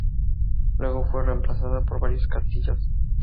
Luego fue reemplazada por varios castillos.